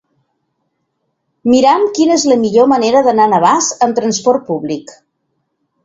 Mira'm quina és la millor manera d'anar a Navàs amb trasport públic.